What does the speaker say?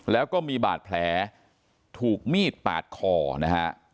แล้วก็มีบาดแผลถูกมีดปาดคอนะฮะ